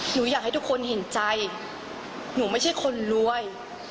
อยากให้ทุกคนเห็นใจหนูไม่ใช่คนรวย